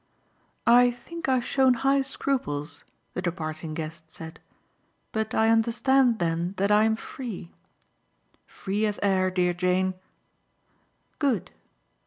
"I think I've shown high scruples," the departing guest said, "but I understand then that I'm free." "Free as air, dear Jane." "Good."